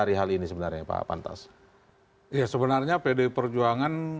hingga saat ini anies mengaku belum membaca berkas laporan akhir om budsman